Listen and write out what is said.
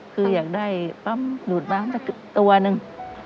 คืออยากได้ปั๊มหนูดมาตัวหนึ่ง